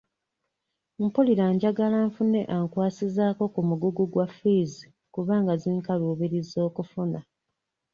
Mpulira njagala nfune ankwasizaako ku mugugu gwa ffiizi kubanga zinkaluubiriza okufuna.